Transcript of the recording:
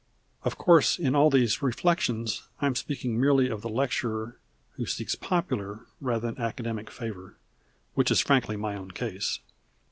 Of course in all these reflections I am speaking merely of the lecturer who seeks popular rather than academic favor, which is frankly my own case.